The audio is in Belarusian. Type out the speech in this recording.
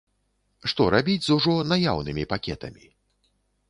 Што рабіць з ужо наяўнымі пакетамі?